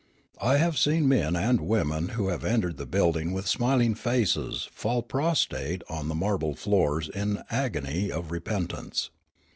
I have seen men and women who had entered the building with smiling faces fall prostrate on the marble floors in an agony of repentance.